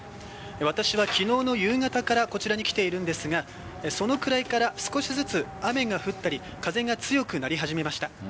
私は昨日の夕方からこちらに来ているんですがそのくらいから少しずつ雨が降ったり風が強くなり始めました。